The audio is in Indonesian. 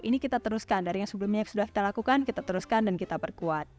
ini kita teruskan dari yang sebelumnya sudah kita lakukan kita teruskan dan kita perkuat